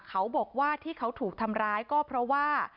เขาบอกว่าที่เขาถูกทำร้ายก็เพราะว่า